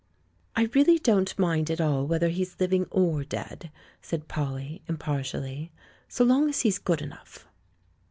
"I really don't mind at all whether he's living or dead," said Polly, impartially, "so long as he's good enough."